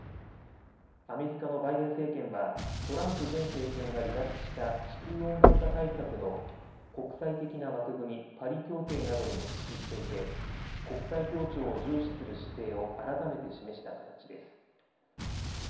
アメリカのバイデン政権はトランプ前政権が離脱した地球温暖化対策の国際的な枠組みパリ協定などにも復帰していて国際協調を重視する姿勢を改めて示した形です。